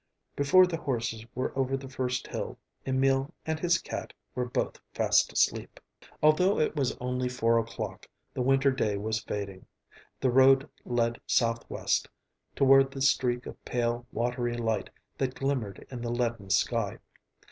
Before the horses were over the first hill, Emil and his cat were both fast asleep. Although it was only four o'clock, the winter day was fading. The road led southwest, toward the streak of pale, watery light that glimmered in the leaden sky.